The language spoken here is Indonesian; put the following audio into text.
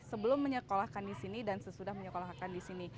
sebelum menyekolahkan di sini dan sesudah menyekolahkan di sini